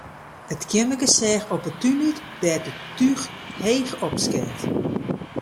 It keammerke seach op 'e tún út, dêr't it túch heech opskeat.